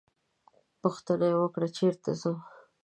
پوښتنه یې وکړه چېرته ځم.